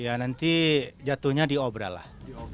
ya nanti jatuhnya diobra lah